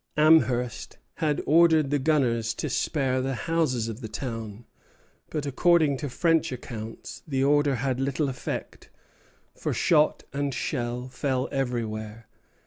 Amherst had ordered the gunners to spare the houses of the town; but, according to French accounts, the order had little effect, for shot and shell fell everywhere.